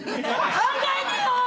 考えてよ‼